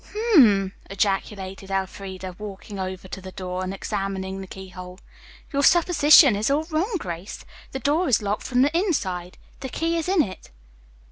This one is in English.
"H m m!" ejaculated Elfreda, walking over to the door and examining the keyhole. "Your supposition is all wrong, Grace. The door is locked from the inside. The key is in it."